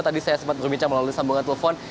tadi saya sempat berbincang melalui sambungan telepon